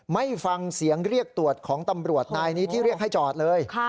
ไม่ฟังเสียงเรียกตรวจของตำรวจนายนี้ที่เรียกให้จอดเลย